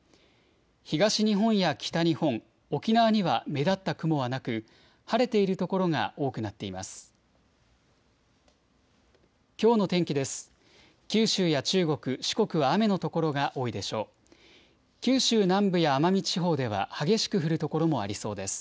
東日本や北日本、沖縄には目立った雲はなく晴れている所が多くなっています。